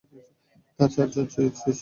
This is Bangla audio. তাঁর চারজন স্ত্রী ছিল।